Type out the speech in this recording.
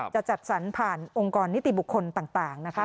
จัดสรรผ่านองค์กรนิติบุคคลต่างนะคะ